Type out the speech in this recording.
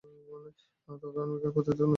তারা আমেরিকান পদ্ধতিতে অনুশীলন করেন।